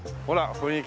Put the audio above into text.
雰囲気が。